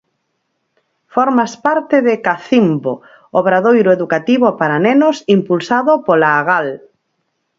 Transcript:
Formas parte de 'Cacimbo', obradoiro educativo para nenos impulsado pola Agal.